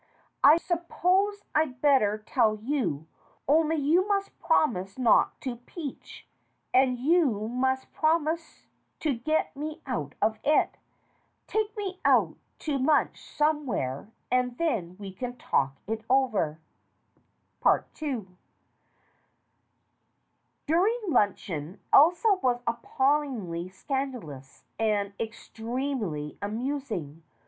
I suppose I'd better tell you, only you must promise not to peach, and you must promise to get me out of it. Take me out to lunch somewhere and then we can talk it over." II DURING luncheon Elsa was appallingly scandalous and extremely amusing.